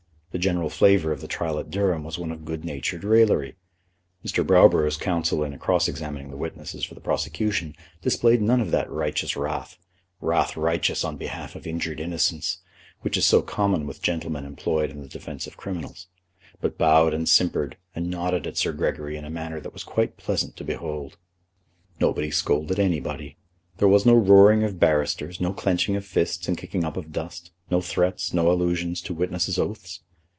The general flavour of the trial at Durham was one of good humoured raillery. Mr. Browborough's counsel in cross examining the witnesses for the prosecution displayed none of that righteous wrath, wrath righteous on behalf of injured innocence, which is so common with gentlemen employed in the defence of criminals; but bowed and simpered, and nodded at Sir Gregory in a manner that was quite pleasant to behold. Nobody scolded anybody. There was no roaring of barristers, no clenching of fists and kicking up of dust, no threats, no allusions to witnesses' oaths.